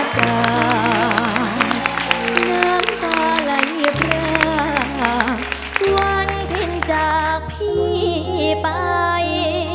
จากน้ำตาไหลเผื่อวันขึ้นจากพี่ไป